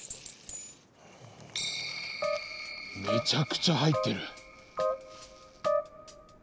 めちゃくちゃ入ってる！